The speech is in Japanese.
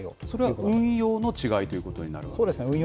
それは運用の違いということになるわけですか？